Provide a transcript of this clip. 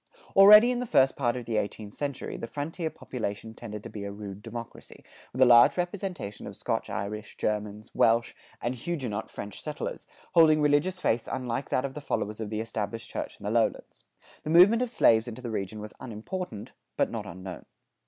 Already in the first part of the eighteenth century, the frontier population tended to be a rude democracy, with a large representation of Scotch Irish, Germans, Welsh, and Huguenot French settlers, holding religious faiths unlike that of the followers of the established church in the lowlands. The movement of slaves into the region was unimportant, but not unknown.